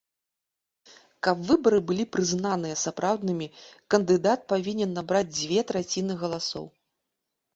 Каб выбары былі прызнаныя сапраўднымі, кандыдат павінны набраць дзве траціны галасоў.